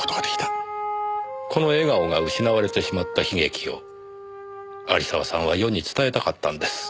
この笑顔が失われてしまった悲劇を有沢さんは世に伝えたかったんです。